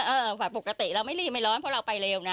ฝ่ายปกติเราไม่รีบไม่ร้อนเพราะเราไปเร็วนะ